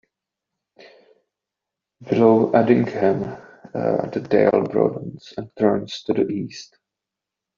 Below Addingham, the dale broadens and turns to the east.